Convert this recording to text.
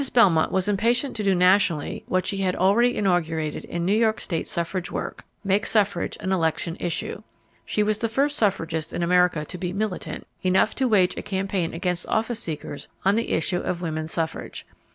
Belmont was impatient to do nationally what she had already inaugurated in New York State suffrage work—make suffrage an election issue. She was the first suffragist in America to be "militant" enough to wage a campaign against office seekers on the issue of woman suffrage.